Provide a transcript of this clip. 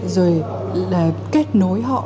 rồi kết nối họ